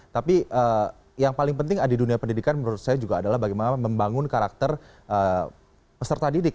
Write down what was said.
tapi yang paling penting di dunia pendidikan menurut saya juga adalah bagaimana membangun karakter peserta didik